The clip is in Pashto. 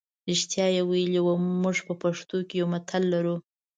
رښتیا یې ویلي وو موږ په پښتو کې یو متل لرو.